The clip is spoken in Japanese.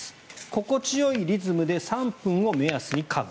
心地よいリズムで３分を目安にかむ